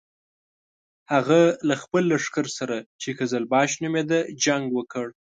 هغه له خپل لښکر سره چې قزلباش نومېده جنګ وکړ.